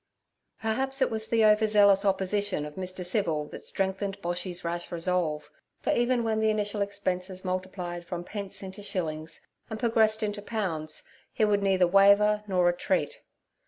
Perhaps it was the over zealous opposition of Mr. Civil that strengthened Boshy's rash resolve, for even when the initial expenses multiplied from pence into shillings and progressed into pounds, he would neither waver nor retreat.